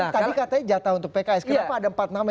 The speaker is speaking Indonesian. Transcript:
tadi katanya jatah untuk pks kenapa ada empat nama